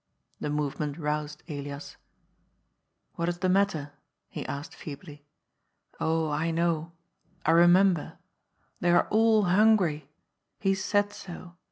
The movement roused Elias. ^^What is the matter?" he asked feebly. " Oh, I know. I remember. They are all hungry. He said so.